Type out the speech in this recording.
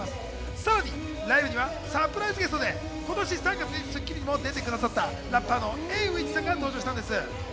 さらにライブにはサプライズゲストで今年３月に『スッキリ』にも出てくださったラッパーのＡｗｉｃｈさんが登場したんです。